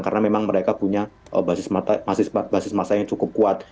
karena memang mereka punya basis masa yang cukup kuat